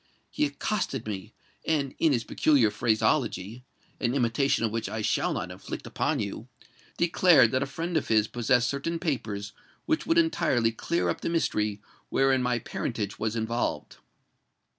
He accosted me, and, in his peculiar phraseology—an imitation of which I shall not inflict upon you—declared that a friend of his possessed certain papers which would entirely clear up the mystery wherein my parentage was involved.